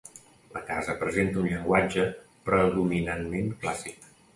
La casa presenta un llenguatge predominantment clàssic.